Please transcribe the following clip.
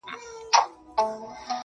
د سترگو سرو لمبو ته دا پتنگ در اچوم.